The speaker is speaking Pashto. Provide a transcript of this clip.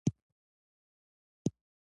د فقر او نیستۍ کچه څومره ده؟